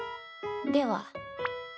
では。